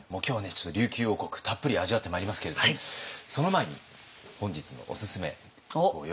ちょっと琉球王国たっぷり味わってまいりますけれどもその前に本日のおすすめご用意いたしました。